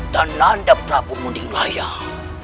dan nanda prabu munding layang